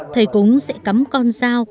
thầy cúng sẽ cắm con dao